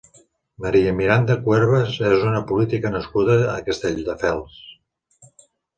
María Miranda Cuervas és una política nascuda a Castelldefels.